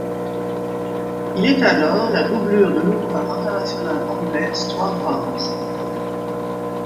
Il est alors la doublure de l'ouvreur international anglais Stuart Barnes.